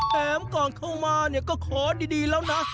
แถมก่อนเข้ามาเนี่ยก็ขอดีแล้วนะ